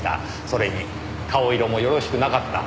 それに顔色もよろしくなかった。